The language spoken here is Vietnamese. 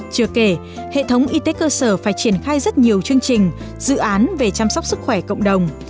chưa kể hệ thống y tế cơ sở phải triển khai rất nhiều chương trình dự án về chăm sóc sức khỏe cộng đồng